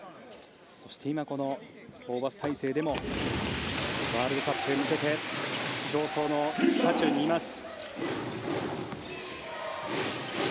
そして今このホーバス体制でもワールドカップへ向けて競争の渦中にいます。